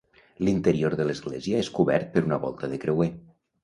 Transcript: L'interior de l'església és cobert per una volta de creuer.